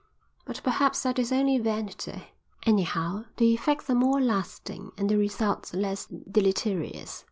But perhaps that is only vanity. Anyhow, the effects are more lasting and the results less deleterious."